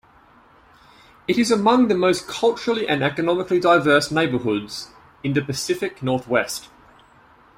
It is among the most culturally and economically diverse neighborhoods in the Pacific Northwest.